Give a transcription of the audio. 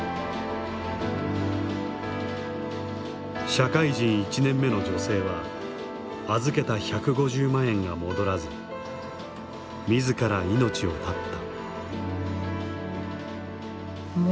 社会人１年目の女性は預けた１５０万円が戻らず自ら命を絶った。